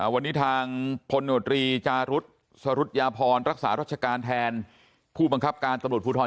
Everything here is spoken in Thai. วันนี้ทางพลโนตรีจารุธสรุธยาพรรักษารัชการแทนผู้บังคับการตำรวจภูทร